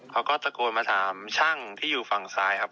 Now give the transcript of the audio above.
เขาก็ตะโกนมาถามช่างที่อยู่ฝั่งซ้ายครับ